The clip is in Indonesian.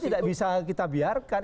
tidak bisa kita biarkan